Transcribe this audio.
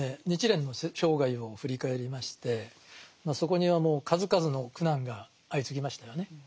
日蓮の生涯を振り返りましてそこにはもう数々の苦難が相次ぎましたよね。